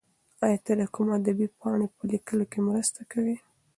ایا ته د کوم ادبي پاڼې په لیکلو کې مرسته کوې؟